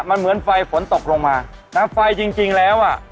มันเหมือนไฟฝนตกลงมานะไฟจริงจริงแล้วอ่ะ